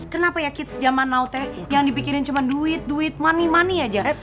kenapa ya kids zaman note yang dipikirin cuma duit duit money money aja